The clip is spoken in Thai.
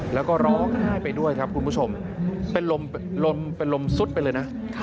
แล้วก็ร้องไห้ไปด้วยครับคุณผู้ชมเป็นลมเป็นลมซุดไปเลยนะ